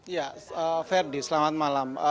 ya ferdi selamat malam